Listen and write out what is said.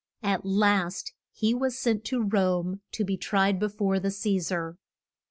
At last he was sent to Rome to be tried be fore the Ce sar.